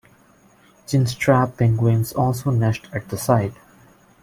Chinstrap penguins also nest at the site.